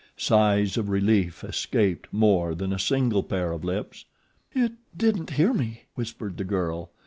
Sighs of relief escaped more than a single pair of lips. "IT didn't hear me," whispered the girl.